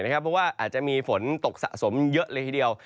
เพราะว่าอาจจะมีฝนตกสะสมเยอะเลยทีเดียว